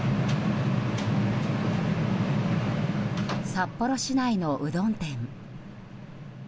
札幌市内の、うどん店。